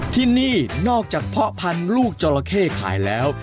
ที่นี่นอกจากเพาะพันธุ์ลูกจราเข้ขายแล้ว